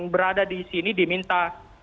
berada di sini diminta